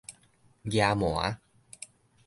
遮瞞